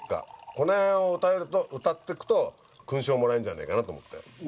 この辺を歌ってくと勲章もらえんじゃないかなと思って。